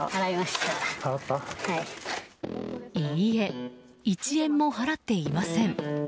いいえ、１円も払っていません。